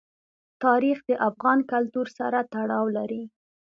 تاریخ د افغان کلتور سره تړاو لري.